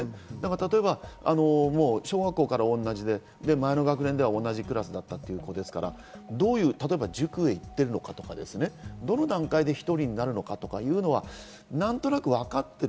例えば小学校からおんなじで前の学年は同じクラスだったということですから、どこの塾へ行っているのかとか、どの段階で１人になるのかというのは何となく分かっている。